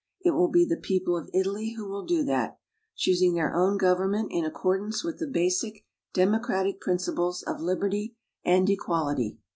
It will be the people of Italy who will do that, choosing their own government in accordance with the basic democratic principles of liberty and equality.